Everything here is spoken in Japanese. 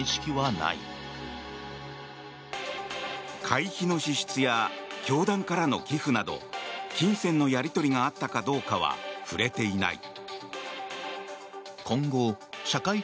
会費の支出や教団からの寄付など金銭のやり取りがあったかどうかは触れていない。